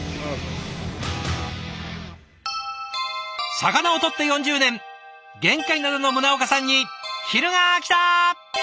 魚をとって４０年玄界灘の宗岡さんに昼がきた。